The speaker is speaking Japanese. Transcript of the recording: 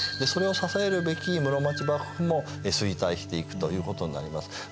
それを支えるべき室町幕府も衰退していくということになります。